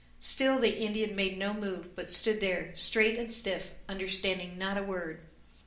Still the Indian made no move but stood there, straight and stiff, understanding not a word.